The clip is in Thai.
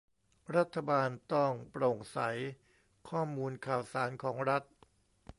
รัฐบาลต้องโปร่งใส ข้อมูลข่าวสารของรัฐ